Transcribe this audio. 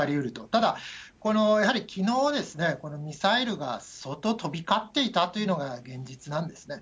ただこのやはり、きのうですね、ミサイルが相当飛び交っていたというのが現実なんですね。